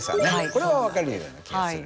これは分かるような気がする。